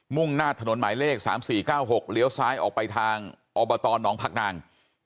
มุ่งหน้าถนนหมายเลขสามสี่เก้าหกเหลียวซ้ายออกไปทางอบตหนองพักนาง